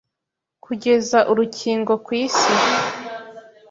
Kugeza urukingo ku isi